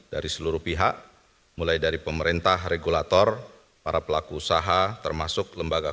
dari seluruh pihak mulai dari pemerintah regulator para pelaku usaha termasuk lembaga